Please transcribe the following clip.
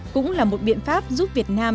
cũng là một biện pháp giúp việt nam